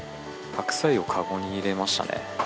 白菜を籠に入れましたね。